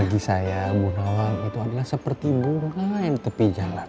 bagi saya bu nawa itu adalah seperti burung di tepi jalan